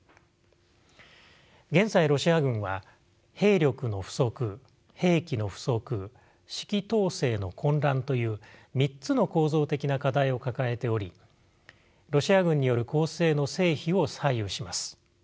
現在ロシア軍は兵力の不足兵器の不足指揮統制の混乱という３つの構造的な課題を抱えておりロシア軍による攻勢の成否を左右します。